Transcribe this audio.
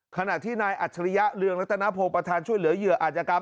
ขณะที่นายอัจฉริยะเรืองรัตนพงศ์ประธานช่วยเหลือเหยื่ออาจกรรม